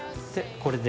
これで。